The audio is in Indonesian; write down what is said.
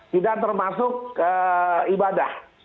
tidak termasuk ibadah